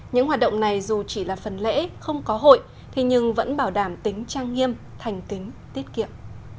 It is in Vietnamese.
những hoạt động này dù chỉ là phần lễ không có hội nhưng vẫn bảo đảm tính trang nghiêm thành tính tiết kiệm